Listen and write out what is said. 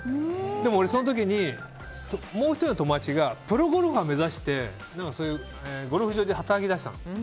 でもその時に、もう１人の友達がプロゴルファー目指してそういうゴルフ場で働きだしたの。